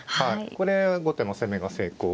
これ後手の攻めが成功。